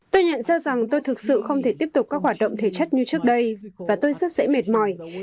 tôi nhận ra rằng tôi thực sự không thể tiếp tục các hoạt động thể chất như trước đây và tôi rất dễ mệt mỏi